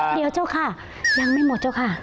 อ๋อเดี๋ยวเจ้าค่ะยังไม่หมดค่ะ